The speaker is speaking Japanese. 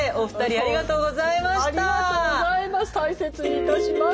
ありがとうございます。